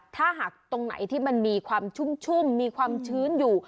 ถ้าหากตรงไหนที่มันมีความชุ่มมีความชื้นอยู่